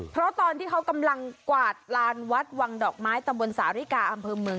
เพราะตอนที่เขากำลังกวาดลานวัดวังดอกไม้ตำบลสาริกาอำเภอเมือง